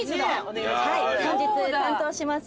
本日担当します